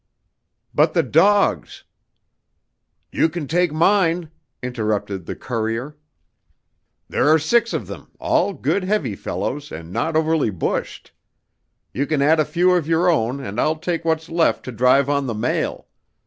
"But the dogs " "You can take mine," interrupted the courier. "There are six of them, all good heavy fellows and not overly bushed. You can add a few of your own and I'll take what's left to drive on the mail.